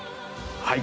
はい。